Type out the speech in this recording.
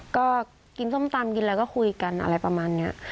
ก็กินส้มตำกินอะไรก็คุยกันอะไรประมาณนี้